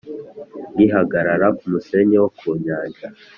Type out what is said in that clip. Ngihagarara ku musenyi wo ku nyanja